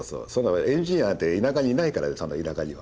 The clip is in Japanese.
エンジニアなんて田舎にいないからそんな田舎には。